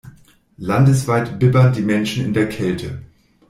Landesweit bibbern die Menschen in der Kälte.